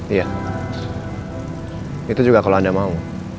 iya itu juga kalau anda mau